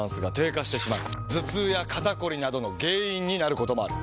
頭痛や肩こりなどの原因になることもある。